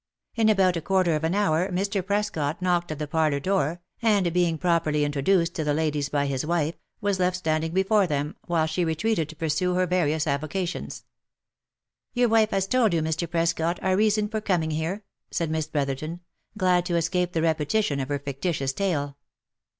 In about a quarter of an hour Mr. Prescot knocked at the parlour door, and being properly introduced to the ladies by his wife, was left standing before them, while she retreated to pursue her various avo cations. " Your wife has told you, Mr. Prescot, our reason for coming here V* said Miss Brotherton, glad to escape the repetition of her fictitious tale.